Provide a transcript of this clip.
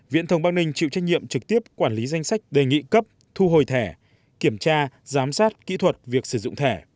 viễn thông bắc ninh chịu trách nhiệm trực tiếp quản lý danh sách đề nghị cấp thu hồi thẻ kiểm tra giám sát kỹ thuật việc sử dụng thẻ